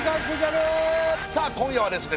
今夜はですね